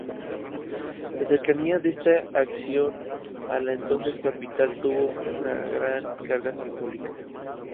La cercanía de esta acción a la entonces capital tuvo una gran carga simbólica.